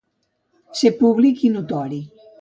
Ser públic i notori.